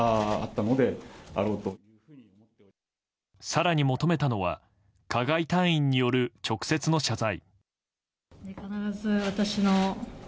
更に求めたのは加害隊員による直接の謝罪。